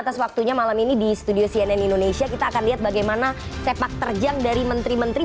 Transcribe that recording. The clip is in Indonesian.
atas waktunya malam ini di studio cnn indonesia kita akan lihat bagaimana sepak terjang dari menteri menteri